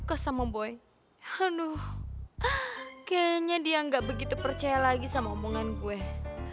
kayaknya rumah itu kosong tuh